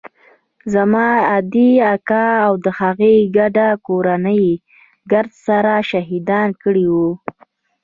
زما ادې اکا او د هغه ګرده کورنۍ يې ګرد سره شهيدان کړي وو.